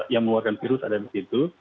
yang mengeluarkan virus ada di situ